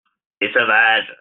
des sauvages.